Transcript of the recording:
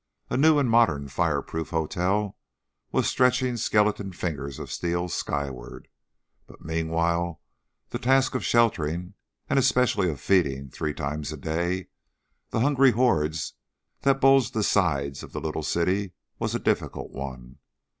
A new and modern fireproof hotel was stretching skeleton fingers of steel skyward, but meanwhile the task of sheltering, and especially of feeding three times a day, the hungry hordes that bulged the sides of the little city was a difficult one.